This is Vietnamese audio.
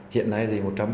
hiện nay một trăm linh